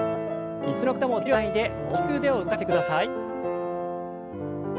椅子の方もできる範囲で大きく腕を動かしてください。